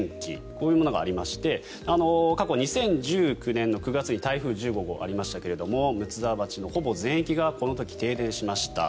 こういうものがありまして過去２０１９年の９月に台風１５号がありましたが睦沢町のほぼ全域がこの時、停電しました。